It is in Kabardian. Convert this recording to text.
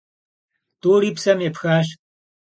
ТӀури псэм епхащ.